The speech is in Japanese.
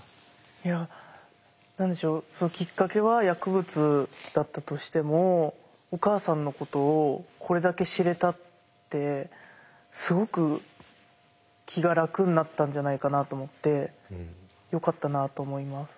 いや何でしょうきっかけは薬物だったとしてもお母さんのことをこれだけ知れたってすごく気が楽になったんじゃないかなと思ってよかったなと思います。